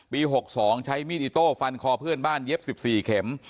๖๒ใช้มีดอิโต้ฟันคอเพื่อนบ้านเย็บ๑๔เข็ม